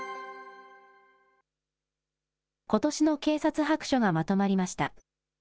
ことしの警察白書がまとまりました。